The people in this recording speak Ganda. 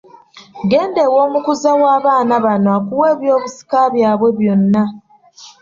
Genda ew'omukuza w'abaana bano akuwe eby'obusika byabwe byonna.